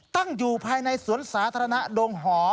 ตั้งอยู่ภายในสวนสาธารณะดงหอ